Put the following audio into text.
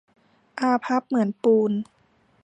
อาภัพเหมือนปูน